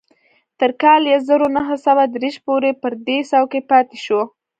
تر کال يو زر و نهه سوه دېرش پورې پر دې څوکۍ پاتې شو.